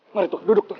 mari tuhan duduk tuhan